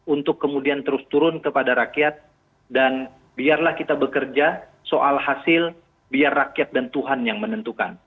untuk kemudian terus turun kepada rakyat dan biarlah kita bekerja soal hasil biar rakyat dan tuhan yang menentukan